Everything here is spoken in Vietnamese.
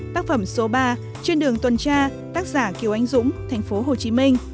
tác phẩm số ba trên đường tuần tra tác giả kiều anh dũng tp hcm